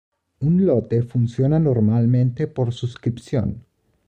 Un lote funciona normalmente por suscripción.